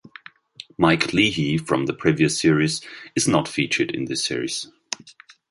Mike Leahy from the previous series is not featured in this series.